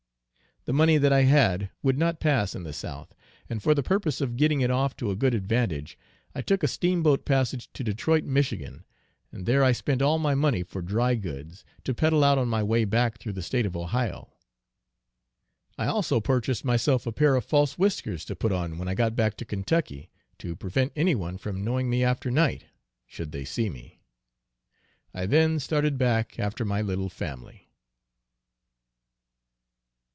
The money that I had would not pass in the South, and for the purpose of getting it off to a good advantage, I took a steamboat passage to Detroit, Michigan, and there I spent all my money for dry goods, to peddle out on my way back through the State of Ohio. I also purchased myself a pair of false whiskers to put on when I got back to Kentucky, to prevent any one from knowing me after night, should they see me. I then started back after my little family.